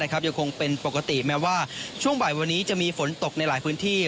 ยังคงเป็นปกติแม้ว่าช่วงบ่ายวันนี้จะมีฝนตกในหลายพื้นที่